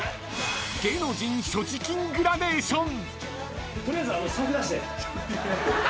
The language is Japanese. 芸能人所持金グラデーション。